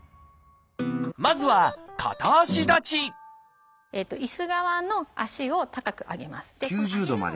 まずはいす側の足を高く上げます。